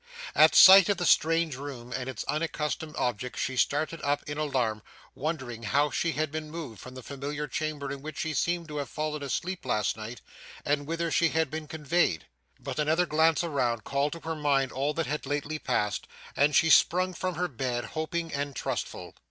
At sight of the strange room and its unaccustomed objects she started up in alarm, wondering how she had been moved from the familiar chamber in which she seemed to have fallen asleep last night, and whither she had been conveyed. But, another glance around called to her mind all that had lately passed, and she sprung from her bed, hoping and trustful.